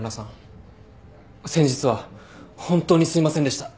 先日はホントにすいませんでした。